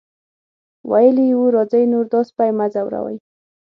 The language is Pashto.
ویلي یې وو راځئ نور دا سپی مه ځوروئ.